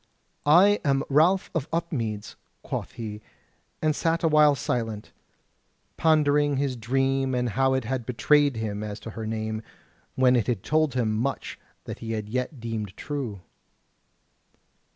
"I am Ralph of Upmeads," quoth he; and sat a while silent, pondering his dream and how it had betrayed him as to her name, when it had told him much that he yet deemed true.